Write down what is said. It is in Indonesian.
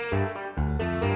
nih si tati